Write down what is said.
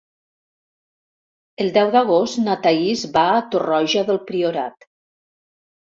El deu d'agost na Thaís va a Torroja del Priorat.